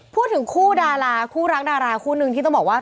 พูดถึงคู่ดาราคู่รักดาราคู่นึงที่ต้องบอกว่า